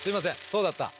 そうだった。